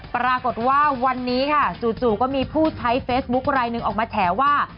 ปรากฏว่าวันนี้ค่ะจู่ก็มีผู้ใช้เฟซบุ๊คลายหนึ่งออกมาแฉว่า